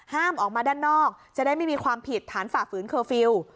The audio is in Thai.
ออกมาด้านนอกจะได้ไม่มีความผิดฐานฝ่าฝืนเคอร์ฟิลล์